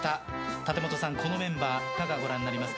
立本さん、このメンバーどうご覧になりますか。